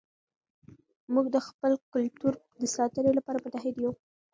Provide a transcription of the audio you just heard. موږ د خپل کلتور د ساتنې لپاره متحد یو.